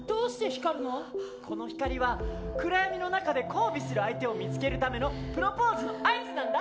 この光は暗闇の中で交尾する相手を見つけるためのプロポーズの合図なんだ。